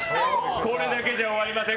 これだけじゃ終わりません！